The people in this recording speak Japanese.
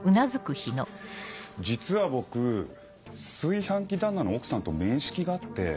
実は僕炊飯器旦那の奥さんと面識があって。